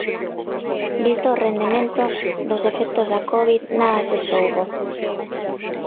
Visto o rendemento, dos efectos da covid, nada se soubo.